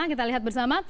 kita lihat bersama